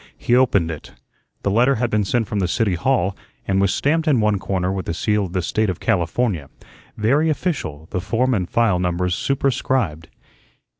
He opened it. The letter had been sent from the City Hall and was stamped in one corner with the seal of the State of California, very official; the form and file numbers superscribed.